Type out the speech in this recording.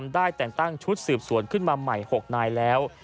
ได้แต่งตั้งชุดสืบสวนขึ้นมาใหม่๖นายแล้ว